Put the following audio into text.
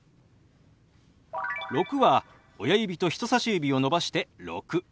「６」は親指と人さし指を伸ばして「６」。